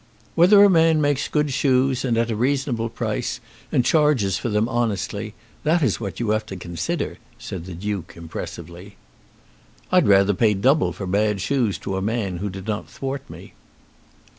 "Whether a man makes good shoes, and at a reasonable price, and charges for them honestly, that is what you have to consider," said the Duke impressively. "I'd rather pay double for bad shoes to a man who did not thwart me."